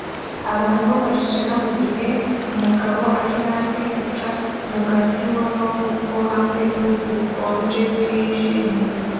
Abantu baricara mugihe umugabo ari hafi guca umugati wamavuko hamwe nubukonje bwijimye